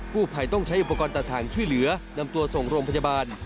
ผู้ภัยต้องใช้อุปกรณ์ตัดทางช่วยเหลือนำตัวส่งโรงพยาบาล